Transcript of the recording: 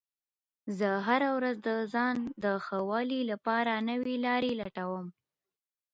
زه هره ورځ د ځان د ښه والي لپاره نوې لارې لټوم